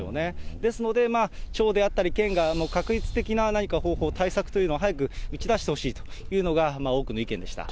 ですので、町であったり、県が画一的な何か方法、対策。というのを早く打ち出してほしいというのが多くの意見でした。